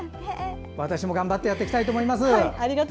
私も頑張ってやっていきたいと思います。